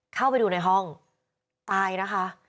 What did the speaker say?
เข้าไปดูในห้องตายนะคะ